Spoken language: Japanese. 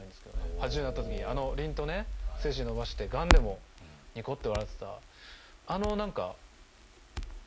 ８０になった時にあのりんとね背筋伸ばしてがんでもニコッて笑ってたあの何か生き方。